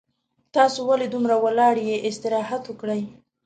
تاسو ولې دومره ولاړ یي استراحت وکړئ